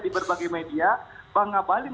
di berbagai media bang ngabalin